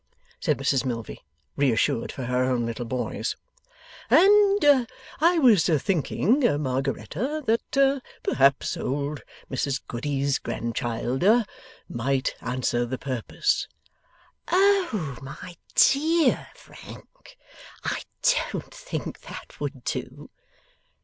said Mrs Milvey, reassured for her own little boys. 'And I was thinking, Margaretta, that perhaps old Mrs Goody's grandchild might answer the purpose. 'Oh my DEAR Frank! I DON'T think that would do!